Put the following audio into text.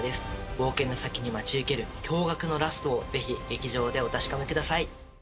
冒険の先に待ち受ける驚がくのラストを是非劇場でお確かめください